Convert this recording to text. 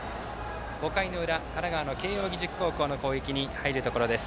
５回の裏、神奈川慶応義塾高校の攻撃に入ります。